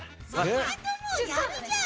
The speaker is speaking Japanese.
まさともやるじゃん。